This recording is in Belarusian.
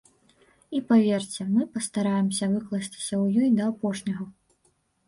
І, паверце, мы пастараемся выкласціся ў ёй да апошняга.